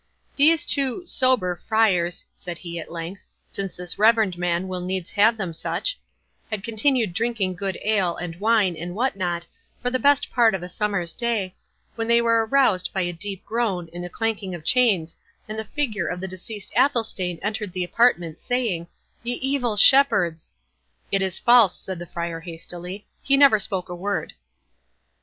—"These two 'sober' friars," said he at length, "since this reverend man will needs have them such, had continued drinking good ale, and wine, and what not, for the best part for a summer's day, when they were aroused by a deep groan, and a clanking of chains, and the figure of the deceased Athelstane entered the apartment, saying, 'Ye evil shep herds!—'" "It is false," said the Friar, hastily, "he never spoke a word."